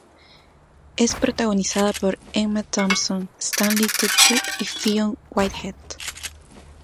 Es protagonizada por Emma Thompson, Stanley Tucci, y Fionn Whitehead.